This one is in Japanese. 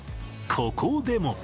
ここでも。